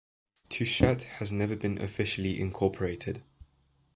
Touchet has never been officially incorporated.